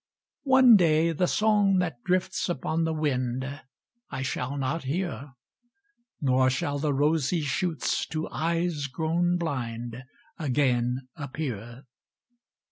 One day the song that drifts upon the wind, I shall not hear; Nor shall the rosy shoots to eyes grown blind Again appear.